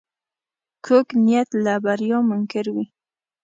کوږ نیت له بریا منکر وي